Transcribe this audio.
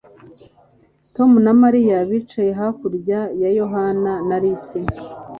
Tom na Mariya bicaye hakurya ya Yohana na Alice